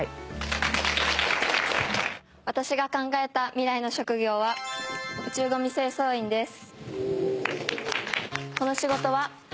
私が考えた未来の職業は宇宙ゴミ清掃員です。